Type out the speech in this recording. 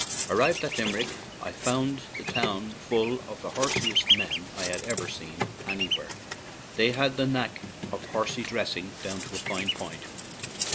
Arrived at Limerick, I found the town full of the horsiest men I had ever seen anywhere. They had the knack of horsy dressing down to a fine point.